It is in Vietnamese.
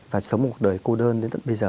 và sống một đời cô đơn đến bây giờ